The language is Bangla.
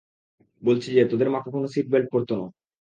বলছি যে, তোদের মা কখনও সিট বেল্ট পরতো না।